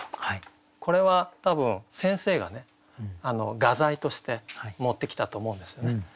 これは多分先生がね画材として持ってきたと思うんですよね。